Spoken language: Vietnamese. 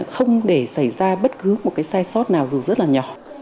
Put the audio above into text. không để xảy ra bất cứ sai sót nào dù rất nhỏ